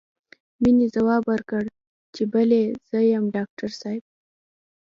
مينې ځواب ورکړ چې بلې زه يم ډاکټر صاحب.